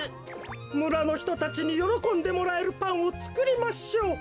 むらのひとたちによろこんでもらえるパンをつくりましょう。